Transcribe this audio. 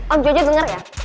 om jojo denger ya